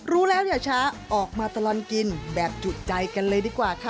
รู้แล้วอย่าช้าออกมาตลอดกินแบบจุใจกันเลยดีกว่าค่ะ